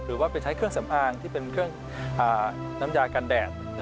หรือว่าไปใช้เครื่องสำอางที่เป็นเครื่องน้ำยากันแดด